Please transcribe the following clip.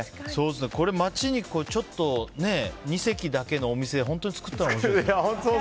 これ、街にちょっと２席だけのお店を本当に作ったら面白いですね。